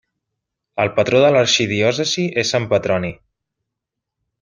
El patró de l'arxidiòcesi és sant Petroni.